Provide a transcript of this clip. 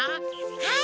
はい。